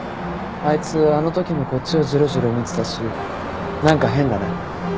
あいつあのときもこっちをじろじろ見てたし何か変だね。